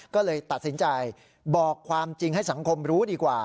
ก็เลยตัดสินใจบอกความจริงให้สังคมรู้ดีกว่า